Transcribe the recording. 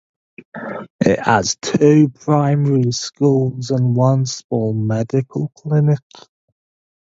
It has two primary schools and one small medical clinic.